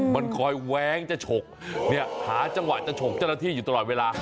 มันคอยแว้งจะฉกเนี่ยหาจังหวะจะฉกเจ้าหน้าที่อยู่ตลอดเวลา